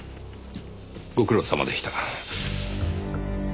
ご苦労さまでした。